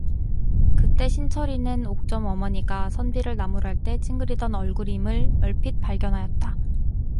그때 신철이는 옥점 어머니가 선비를 나무랄 때 찡그리던 얼굴임을 얼핏 발견하였다.